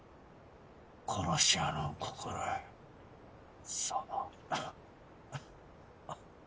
殺し屋の心得その。